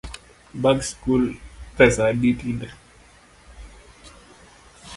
Bag sikul pesa adi tinde?